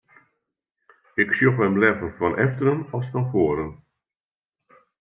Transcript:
Ik sjoch him leaver fan efteren as fan foaren.